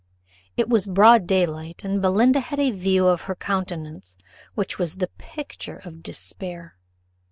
It was broad daylight, and Belinda had a full view of her countenance, which was the picture of despair.